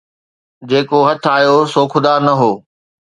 جيڪو هٿ آيو سو خدا نه هو